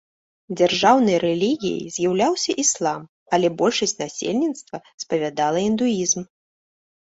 Дзяржаўнай рэлігіяй з'яўляўся іслам, але большасць насельніцтва спавядала індуізм.